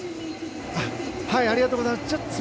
ありがとうございます。